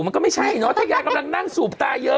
มันก็ไม่ใช่เนอะถ้ายายกำลังนั่งสูบตาเยอะ